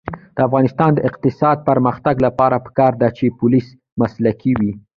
د افغانستان د اقتصادي پرمختګ لپاره پکار ده چې پولیس مسلکي وي.